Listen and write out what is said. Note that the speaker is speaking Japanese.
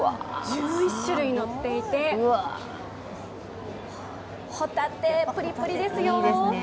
１１種類のっていて、ホタテぷりぷりですよ。